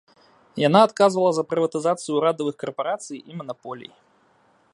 Яна адказвала за прыватызацыю ўрадавых карпарацый і манаполій.